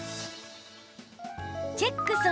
チェック